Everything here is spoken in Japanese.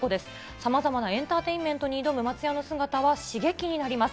さまざまなエンターテインメントに挑む松也の姿は刺激になります。